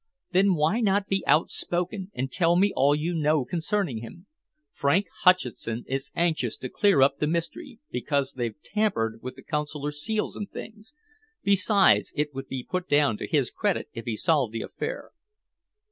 "Then why not be outspoken and tell me all you know concerning him? Frank Hutcheson is anxious to clear up the mystery because they've tampered with the Consular seals and things. Besides, it would be put down to his credit if he solved the affair."